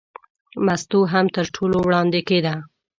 مستو هم تر ټولو وړاندې کېده.